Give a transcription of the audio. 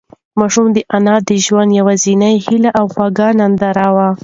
ماشوم د انا د ژوند یوازینۍ هيله او خوږه ننداره وه.